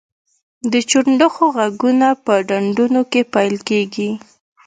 د چنډخو غږونه په ډنډونو کې پیل کیږي